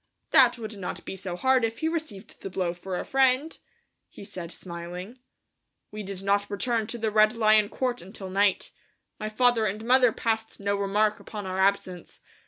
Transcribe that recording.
"That would not be so hard if he received the blow for a friend," he said, smiling. We did not return to the Red Lion Court until night. My father and mother passed no remark upon our absence.